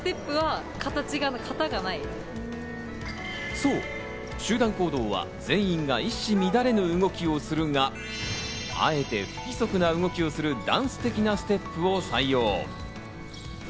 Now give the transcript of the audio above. そう、集団行動は全員が一糸乱れぬ動きをするが、あえて不規則な動きをするダンス的なステップを採用。